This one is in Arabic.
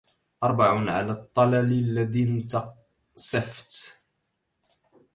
اربع على الطلل الذي انتسفت